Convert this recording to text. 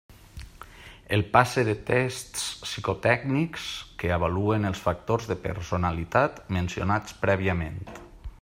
El passe de tests psicotècnics que avaluen els factors de personalitat mencionats prèviament.